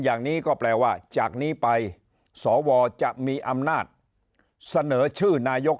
อย่างนี้ก็แปลว่าจากนี้ไปสวจะมีอำนาจเสนอชื่อนายก